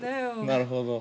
なるほど。